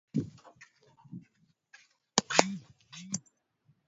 Sio shauri yote uta ishika